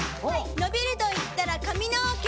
伸びるといったら髪の毛。